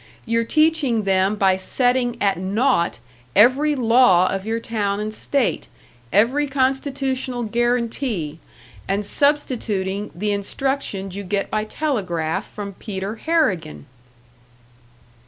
You're teaching them by setting at naught every law of your town and state, every constitutional guarantee and substituting the instructions you get by telegraph from Peter Harrigan!"